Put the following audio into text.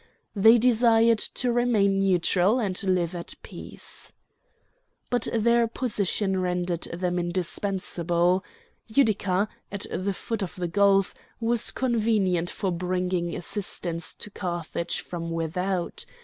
They desired to remain neutral and to live at peace. But their position rendered them indispensable. Utica, at the foot of the gulf, was convenient for bringing assistance to Carthage from without.